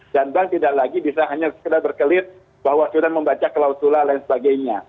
dan bank tidak lagi bisa hanya sekedar berkelit bahwa sudah membaca klausul lain sebagainya